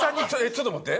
◆ちょっと待って。